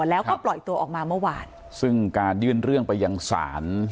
แล้วก็ปล่อยตัวออกมาเมื่อวานซึ่งการยื่นเรื่องไปยังศาล